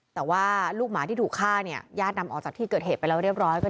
แต่ว่าลูกหมาที่ถูกฆ่าเนี่ยญาตินำออกจากที่เกิดเหตุไปแล้วเรียบร้อย